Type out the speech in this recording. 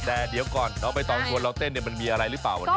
แต่เดี๋ยวก่อนโรคร้อยตอจวงเราเต้นมันมีอะไรรึยังเปล่า